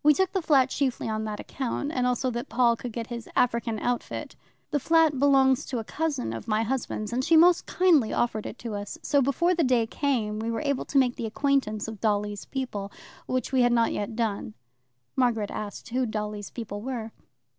"We took the flat chiefly on that account, and also that Paul could get his African outfit. The flat belongs to a cousin of my husband's, and she most kindly offered it to us. So before the day came we were able to make the acquaintance of Dolly's people, which we had not yet done." Margaret asked who Dolly's people were.